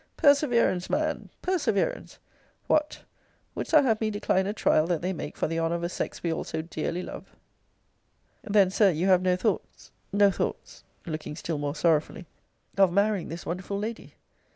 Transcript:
Perseverance, man! Perseverance! What! wouldst thou have me decline a trial that they make for the honour of a sex we all so dearly love? * See Vol. III. Letter XVIII. Then, Sir, you have no thoughts no thoughts [looking still more sorrowfully,] of marrying this wonderful lady?